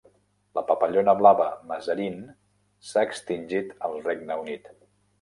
La papallona blava Mazarine s'ha extingit al Regne Unit.